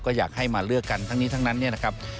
ก็อยากให้มาเลือกกันทั้งนี้ทั้งนั้นเนี่ยนะครับ